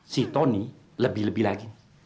si tony lebih lebih lagi